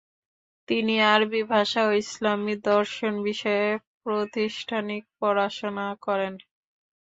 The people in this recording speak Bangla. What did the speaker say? তিনি আরবী ভাষা ও ইসলামী দর্শন বিষয়ে প্রতিষ্ঠানিক পড়াশোনা করেন।